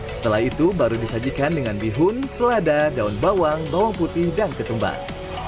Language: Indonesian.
setelah itu baru disajikan dengan bihun selada daun bawang bawang putih dan ketumbar